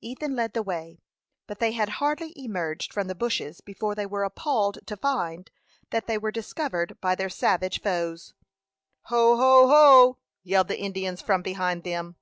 Ethan led the way, but they had hardly emerged from the bushes before they were appalled to find that they were discovered by their savage foes. "Ho, ho, ho!" yelled the Indians from behind them.